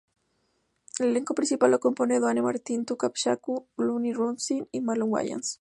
El elenco principal lo componen Duane Martin, Tupac Shakur, Leon Robinson y Marlon Wayans.